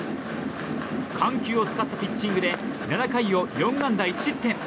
緩急を使ったピッチングで７回を４安打１失点。